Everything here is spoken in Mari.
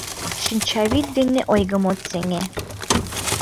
Шинчавӱд дене ойгым от сеҥе...